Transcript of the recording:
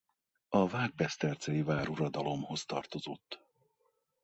A vágbesztercei váruradalomhoz tartozott.